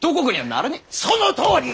そのとおり！